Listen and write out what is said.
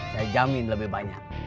saya jamin lebih banyak